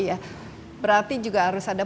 ya berarti juga harus ada